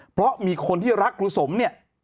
เพราะมีคนที่รักครูสมเนี่ย